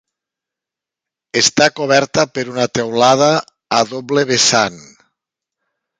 Està coberta per una teulada a doble vessant.